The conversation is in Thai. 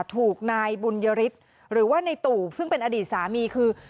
ถูกนายบุญยฤทธิ์หรือว่าในตู่ซึ่งเป็นอดีตสามีคือ